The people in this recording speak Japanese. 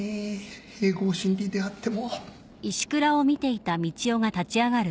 併合審理であっても。